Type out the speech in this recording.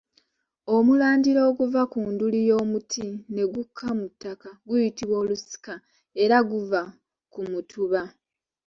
Omulandira oguva ku nduli y’omuti ne gukka mu ttaka guyitibwa Olusika era guva ku Mutuba.